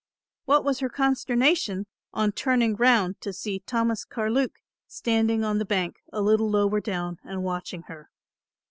What was her consternation on turning round to see Thomas Carluke standing on the bank a little lower down and watching her.